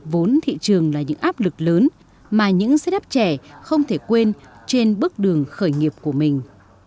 vốn thị trường là những áp lực lớn mà những set up trẻ không thể quên trên bước đường khởi nghiệp của mình